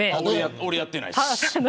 俺はやってないです。